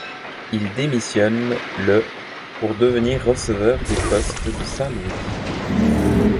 Il démissionne le pour devenir receveur des poste de Saint Louis.